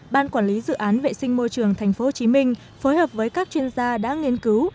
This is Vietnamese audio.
ban quản lý dự án vệ sinh môi trường tp hcm phối hợp với các chuyên gia đã nghiên cứu